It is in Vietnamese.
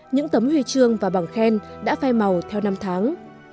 những trang lý huy trường và bằng khen đã phai màu theo năm tháng